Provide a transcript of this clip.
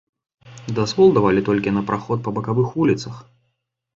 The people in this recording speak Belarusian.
Дазвол давалі толькі на праход па бакавых вуліцах.